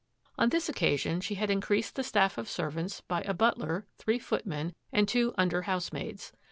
On this occasion she had increased the st^ servants by a butler, three footmen, and two i:^ housemaids.